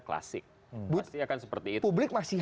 klasik bukti akan seperti itu publik masih